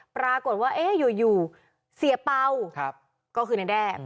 ปรากฏว่าอยู่เสียเป่าก็คือในแด้